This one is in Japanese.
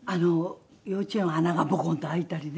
幼稚園は穴がボコンと開いたりね